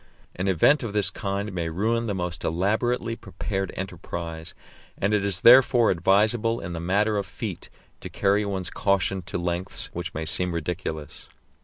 An event of this kind may ruin the most elaborately prepared enterprise, and it is therefore advisable in the matter of feet to carry one's caution to lengths which may seem ridiculous.